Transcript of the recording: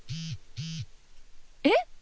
えっ！